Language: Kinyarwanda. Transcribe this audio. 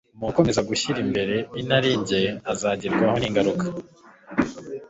umuntu ukomeza gushyira imbere inarijye azagerwaho n'ingaruka